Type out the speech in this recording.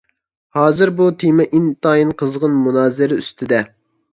ھازىر بۇ تېما ئىنتايىن قىزغىن مۇنازىرە ئۈستىدە.